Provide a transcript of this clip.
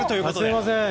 すみません